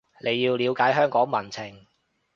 你要了解香港民情